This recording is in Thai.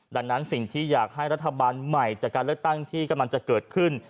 ดังนั้นสิ่งที่อยากให้รัฐบาลใหม่จากการเลือกตั้งที่กำลังจะเกิดขึ้น